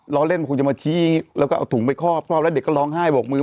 ล้อเล่นมันคงจะมาชี้แล้วก็เอาถุงไปครอบครอบแล้วเด็กก็ร้องไห้บกมือ